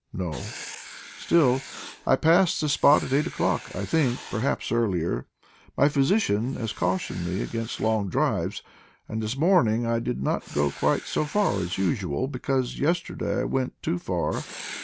"No." "Still, I passed this spot at eight o'clock; I think, perhaps, earlier. My physician has cautioned me against long drives, and this morning I did not go quite so far as usual, because yesterday I went too far.